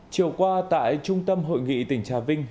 chiều qua tại trung tâm hội nghị tỉnh trà vinh